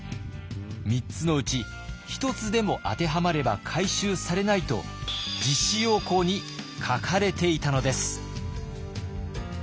３つのうち１つでも当てはまれば回収されないと実施要綱に書かれていたのです。